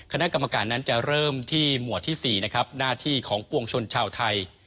คณะกรรมการนั้นจะเริ่มที่หมวดที่๔นะครับหน้าที่ของปวงชนชาวไทย